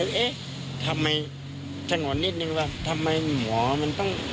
เอ๊ะทำไมสงวนนิดนึงว่าทำไมหมอมันต้อง